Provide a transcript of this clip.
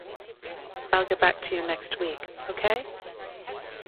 I'll get back to you next week, okay?